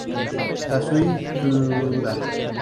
Kazuki Tsuda